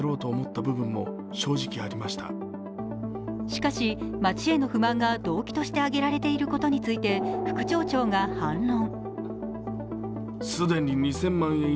しかし、町への不満が動機として上げられていることについて、副町長が反論。